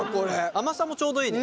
甘さもちょうどいいね。